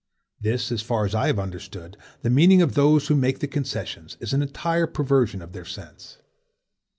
This, as far as I have understood the meaning of those who make the concessions, is an entire perversion of their sense.